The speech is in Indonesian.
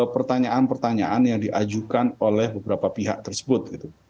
pertanyaan pertanyaan yang diajukan oleh beberapa pihak tersebut